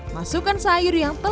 masukkan sayur yang telur